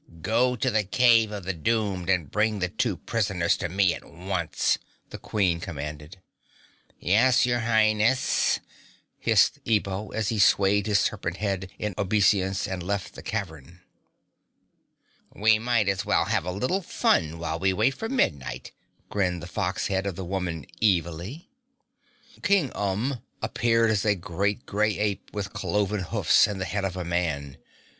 "Go to the Cave of the Doomed and bring the two prisoners to me at once," the Queen commanded. "Yes, your Highness," hissed Ebo as he swayed his serpent head in obeisance and left the cavern. "We might as well have a little fun while we wait for midnight," grinned the fox head of the woman evilly. King Umb appeared as a great, grey ape with cloven hoofs and the head of a man.